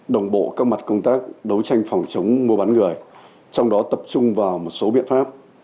đồng bộ các mặt công tác đấu tranh phòng chống mua bán người trong đó tập trung vào một số biện pháp